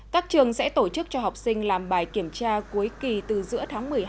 các trường sẽ tổ chức cho học sinh làm bài kiểm tra cuối kỳ từ giữa tháng một mươi hai